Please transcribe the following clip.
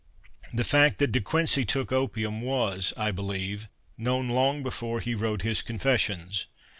The fact that De Quincey took opium was, I believe, known long before he wrote his Confessions.